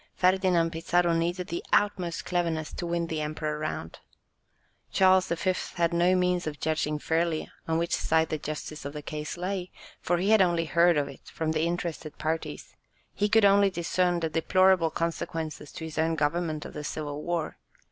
Ferdinand Pizarro needed the utmost cleverness to win the Emperor round. Charles V. had no means of judging fairly on which side the justice of the case lay, for he had only heard of it from the interested parties; he could only discern the deplorable consequences to his own government of the civil war.